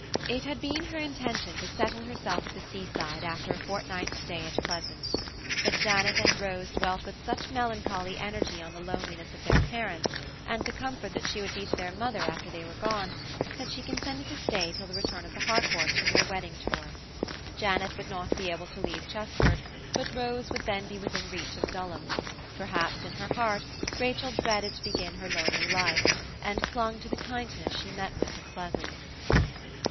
It had been her intention to settle herself at the sea side after a fortnight's stay at Pleasance; but Janet and Rose dwelt with such melancholy energy on the loneliness of their parents, and the comfort that she would be to their mother after they were gone, that she consented to stay till the return of the Harcourts from their wedding tour. Janet would not be able to leave Chesford, but Rose would then be within reach of Dulham; perhaps in her heart Rachel dreaded to begin her lonely life, and clung to the kindness she met with at Pleasance.